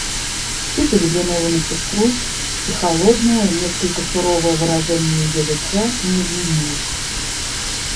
Кити взглянула на сестру, и холодное, несколько суровое выражение ее лица не изменилось.